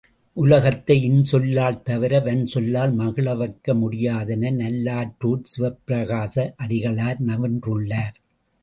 உலகத்தை இன் சொல்லால் தவிர வன் சொல்லால் மகிழ வைக்க முடியாதென நல்லாற்றூர்ச் சிவப்பிரகாச அடிகளார் நவின்றுள்ளார்.